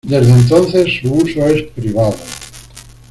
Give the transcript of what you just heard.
Desde entonces su uso es privado.